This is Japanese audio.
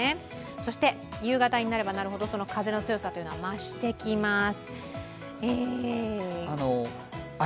そして夕方になればなるほど、風の強さは増してきます。